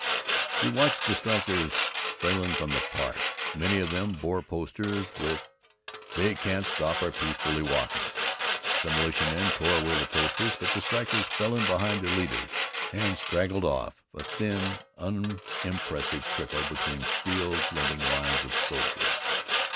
He watched the strikers filing from the park. Many of them bore posters with "They can't stop our peacefully walking." The militiamen tore away the posters, but the strikers fell in behind their leaders and straggled off, a thin unimpressive trickle between steel glinting lines of soldiers.